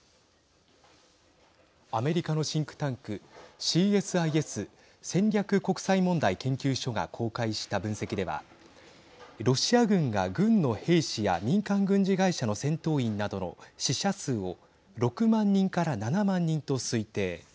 アメリカのシンクタンクＣＳＩＳ＝戦略国際問題研究所が公開した分析ではロシア軍が軍の兵士や民間軍事会社の戦闘員などの死者数を６万人から７万人と推定。